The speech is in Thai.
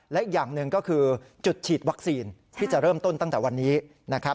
และอีกอย่างหนึ่งก็คือจุดฉีดวัคซีนที่จะเริ่มต้นตั้งแต่วันนี้นะครับ